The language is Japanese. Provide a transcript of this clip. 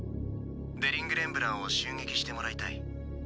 デリング・レンブランを襲撃してもらいたい。